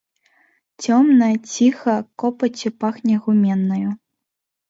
Цёмна, ціха, копаццю пахне гуменнаю.